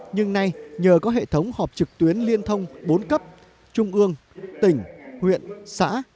nhưng nay nhờ có hệ thống họp trực tuyến liên thông bốn cấp trung ương tỉnh huyện xã